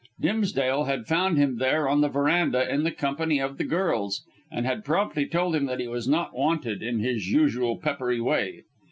Dimsdale had found him there on the verandah in the company of the girls, and had promptly told him that he was not wanted, in his usual peppery way.